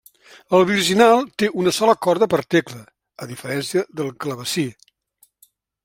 El virginal té una sola corda per tecla, a diferència del clavecí.